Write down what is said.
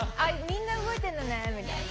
「みんな動いてんのね」みたいな。